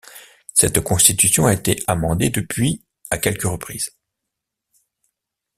Cette constitution a été amendée depuis à quelques reprises.